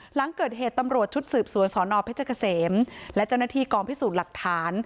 หลังเกิดเหตุตำรวจชุดสืบสวนสนเพชรเกษมและเจ้าหน้าที่กองพิสูจน์หลักฐาน